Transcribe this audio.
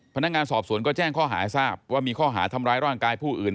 พนักงานสอบสวนก็แจ้งข้อหาทราบว่ามีข้อหาทำร้ายร่างกายผู้อื่น